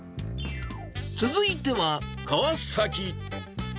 続いては、川崎。